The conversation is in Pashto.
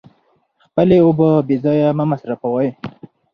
خپلې اوبه بې ځایه مه مصرفوئ.